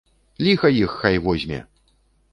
Ліха іх хай возьме!